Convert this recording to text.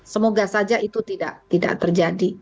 semoga saja itu tidak terjadi